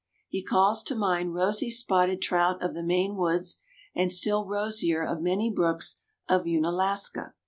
He calls to mind rosy spotted trout of the Maine woods, and still rosier of many brooks of Unalaska.